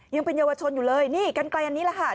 ยังเป็นเยาวชนอยู่เลยนี่กันไกลอันนี้แหละค่ะ